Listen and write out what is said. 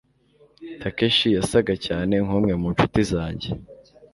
Takeshi yasaga cyane nkumwe mu nshuti zanjye.